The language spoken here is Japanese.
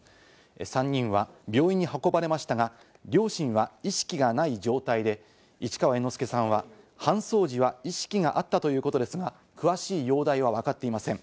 ３人は病院に運ばれましたが、両親は意識がない状態で、市川猿之助さんは搬送時は意識があったということですが、詳しい容体はわかっていません。